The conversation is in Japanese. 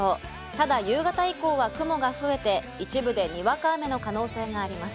ただ、夕方以降は雲が増えて、一部でにわか雨の可能性があります。